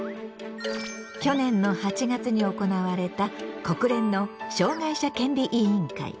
去年の８月に行われた国連の「障害者権利委員会」。